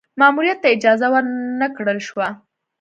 ماموریت ته اجازه ور نه کړل شوه.